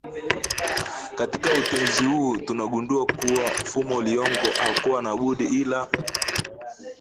Katika utenzi huu tunagundua kuwa Fumo Liyongo hakuwa na budi ila